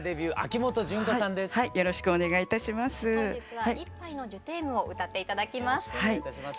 本日は「一杯のジュテーム」を歌って頂きます。